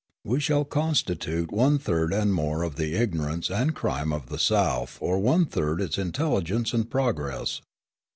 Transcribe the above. We shall constitute one third and more of the ignorance and crime of the South or one third its intelligence and progress.